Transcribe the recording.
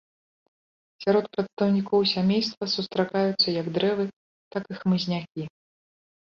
Сярод прадстаўнікоў сямейства сустракаюцца як дрэвы, так і хмызнякі.